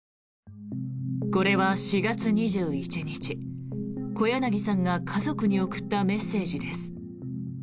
これは４月２１日小柳さんが家族に送ったメッセージです。